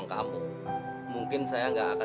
udah makan aja